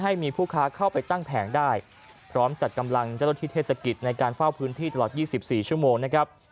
ให้มีผู้ค้าเข้าไปตั้งแผงได้พร้อมจัดกำลังเจ้าหน้าที่เทศกิจในการเฝ้าพื้นที่ตลอด๒๔ชั่วโมงนะครับ